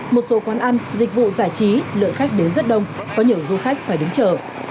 một số quán ăn dịch vụ giải trí lượng khách đến rất đông có nhiều du khách phải đứng chờ